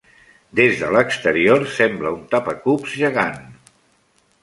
Des de l'exterior sembla un tapa-cubs gegant.